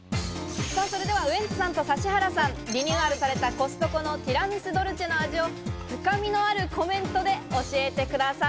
ウエンツさんと指原さん、リニューアルされたコストコのティラミス・ドルチェの味を深みのあるコメントで教えてください。